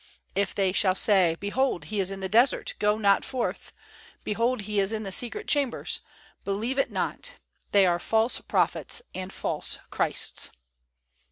If they shall say: Behold, He is in the desert, go not forth; behold, He is in the secret chambers, believe it not; they are false prophets and false Christs."